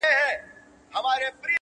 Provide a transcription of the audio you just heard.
کنې دا زړه بېړی به مو ډوبېږي,